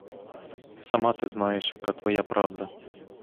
Сама ти знаєш, яка твоя правда!